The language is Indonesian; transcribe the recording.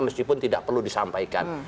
meskipun tidak perlu disampaikan